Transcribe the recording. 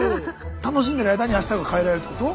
楽しんでる間に明日が変えられるってこと？